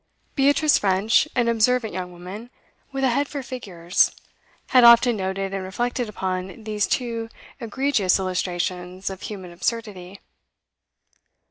Beatrice French, an observant young woman, with a head for figures, had often noted and reflected upon these two egregious illustrations of human absurdity.